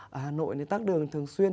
ở hà nội thì tắt đường thường xuyên